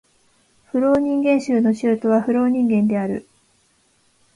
フローニンゲン州の州都はフローニンゲンである